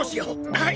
はい。